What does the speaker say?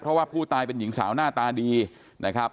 เพราะว่าผู้ตายเป็นหญิงสาวหน้าตาดีนะครับ